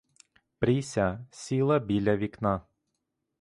Пріся сіла біля вікна.